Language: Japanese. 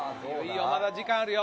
まだ時間あるよ